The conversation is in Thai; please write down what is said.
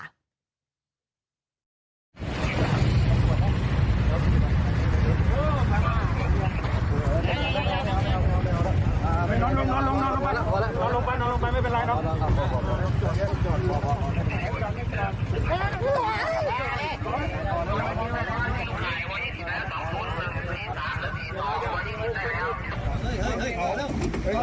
นั่ว